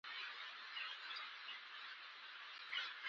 پوهنه د ژوند پانګه ده .